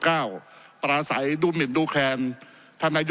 ขอประท้วงครับขอประท้วงครับขอประท้วงครับขอประท้วงครับ